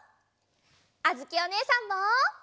あづきおねえさんも！